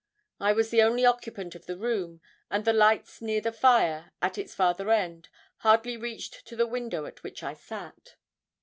I was the only occupant of the room; and the lights near the fire, at its farther end, hardly reached to the window at which I sat.